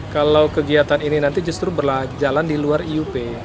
kalau kegiatan ini nanti justru berjalan di luar iup